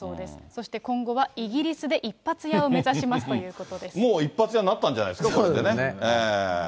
そして今後はイギリスで一発屋をもう一発屋になったんじゃないですかね、これでね。